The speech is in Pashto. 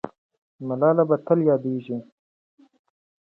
ملاله به تل یاده کېږي.